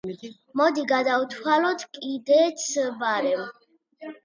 მოდი, გადავთვალოთ კიდეც ბარემ.